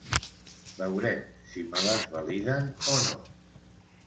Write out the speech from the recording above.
Veurem si me les validen o no.